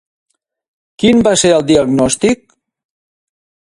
Quin va ser el diagnòstic?